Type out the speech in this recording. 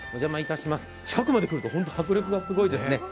近くまで来るとほんと迫力がすごいですね。